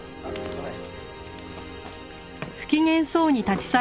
ごめんね。